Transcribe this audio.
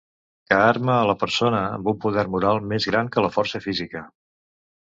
Que arma a la persona amb un poder moral, més gran que la força física.